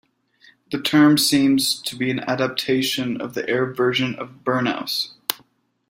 The term seems to be an adaptation of the Arab version of Burnous.